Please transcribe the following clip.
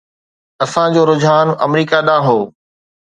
اسان جو رجحان آمريڪا ڏانهن هو.